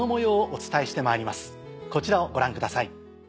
こちらをご覧ください。